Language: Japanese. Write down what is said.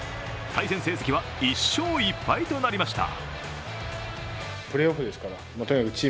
対戦成績は１勝１敗となりました。